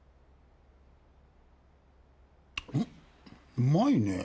うまいねぇ。